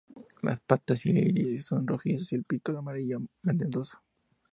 Las patas y el iris son rojizos, y el pico amarillo verdoso.